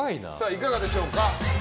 いかがでしょうか？